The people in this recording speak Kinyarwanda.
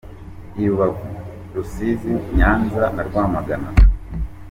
I Rubavu, Rusizi, Nyanza na Rwamagana.